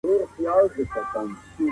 د انسان حماقت تل یو شان پاتې کیږي.